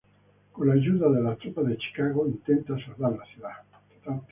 Con la ayuda de las tropas de Chicago intenta salvar la ciudad.